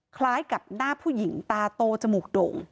คล้ายกับหน้าผู้หญิงตาโตจมูกโด่ง